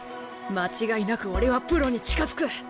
間違いなく俺はプロに近づく。